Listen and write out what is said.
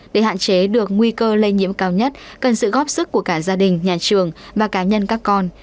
để hạn chế được nguy cơ lây nhiễm cao nhất cần sự góp sức của cả gia đình nhà trường và cá nhân các con